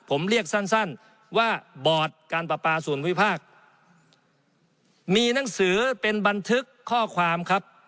ผมเรียกสั้นสั้นว่าบอร์ดการประปาส่วนวิพากษ์มีหนังสือเป็นบันทึกข้อความครับ